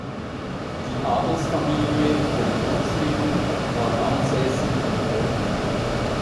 Die Adelsfamilie von Rüxleben war ansässig im Ort.